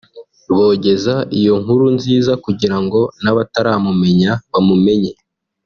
bogeza iyo nkuru nziza kugira ngo n’abataramumenya bamumenye